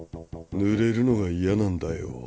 ぬれるのが嫌なんだよ。